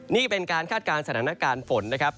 นี่เป็นการคาดการณ์สถานการณ์ฝนนะครับ